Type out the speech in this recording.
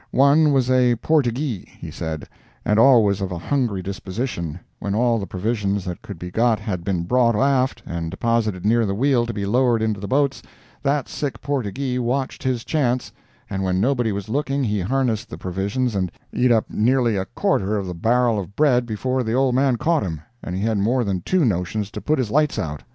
One was a "Portyghee," he said, and always of a hungry disposition—when all the provisions that could be got had been brought aft and deposited near the wheel to be lowered into the boats, "that sick Portyghee watched his chance, and when nobody was looking he harnessed the provisions and eat up nearly a quarter of a bar'l of bread before the old man caught him, and he had more than two notions to put his lights out."